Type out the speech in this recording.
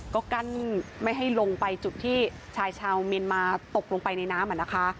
ก็กั้นไม่ให้ลงไปจุดที่ชายชาวเมียนมาตกลงไปในน้ำอ่ะนะคะ